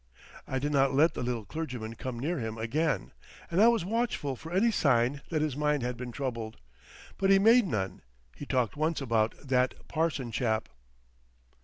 I did not let the little clergyman come near him again, and I was watchful for any sign that his mind had been troubled. But he made none. He talked once about "that parson chap."